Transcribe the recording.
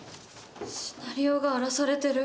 シナリオが荒らされてる。